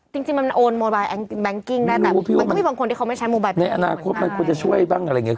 จริงจริงมันได้แต่มันก็มีบางคนที่เขาไม่ใช้ในอนาคตมันควรจะช่วยบ้างอะไรอย่างเงี้ย